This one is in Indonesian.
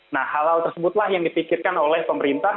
nah hal hal tersebutlah yang dipikirkan oleh pemerintah